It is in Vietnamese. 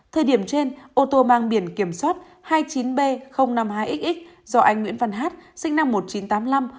thời điểm trên ô tô mang biển kiểm soát hai mươi chín b năm mươi hai x do anh nguyễn văn hát sinh năm một nghìn chín trăm tám mươi năm